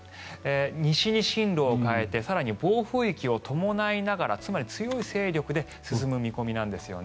西に進路を変えて更に暴風域を伴いながらつまり強い勢力で進む見込みなんですよね。